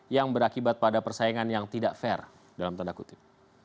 yang berakibat pada persaingan yang tidak fair dalam tanda kutip